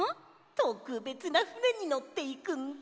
とくべつなふねにのっていくんだ！